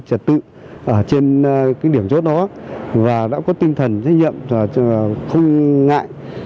trật tự ở trên cái điểm chốt đó và đã có tinh thần trách nhiệm không ngại